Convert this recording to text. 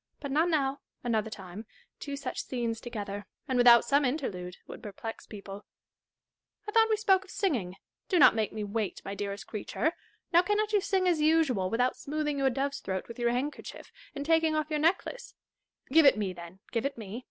But not now, — another time : two such scenes together, and without some interlude, would perplex people, I thought we spoke of singing : do not make me wait, my dearest creature ! Now cannot you sing as usual, without smoothing your dove's throat with your handkerchief, and taking off your necklace 1 Give it me, then ; give it me.